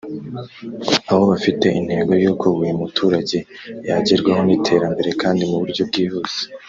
aho bafite intego y’uko buri muturage yagerwaho n’iterambere kandi mu buryo bwihuse